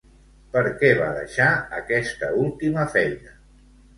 Per què va deixar aquesta última feina?